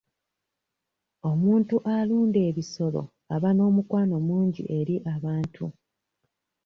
Omuntu alunda ebisolo aba n'omukwano mungi eri abantu.